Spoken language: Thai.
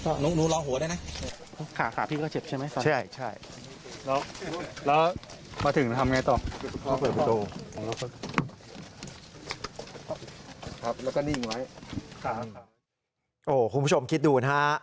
คุณผู้ชมคิดดูนะฮะ